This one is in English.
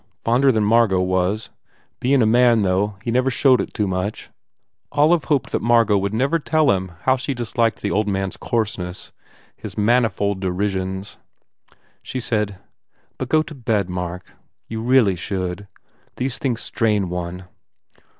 Fonder than Margot was. Bein a man, though, he never showed it so much." Olive hoped that Margot would never tell him how she disliked the old man s coarseness, his manifold derisions. She said, "But go to bed, Mark. You really should. These things strain one."